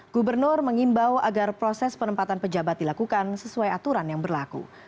gubernur mengimbau agar proses penempatan pejabat dilakukan sesuai aturan yang berlaku